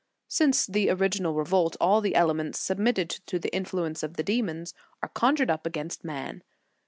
Since the ori ginal revolt, all the elements submitted to the influence of the demons, are conjured up against man.